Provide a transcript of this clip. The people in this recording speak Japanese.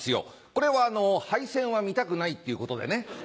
これはハイセンは見たくないっていうことでね。